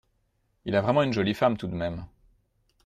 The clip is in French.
Il a vraiment une jolie femme tout de même !